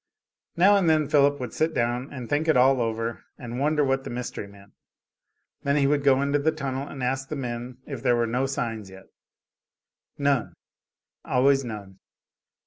Now and then Philip would sit down and think it all over and wonder what the mystery meant; then he would go into the tunnel and ask the men if there were no signs yet? None always "none."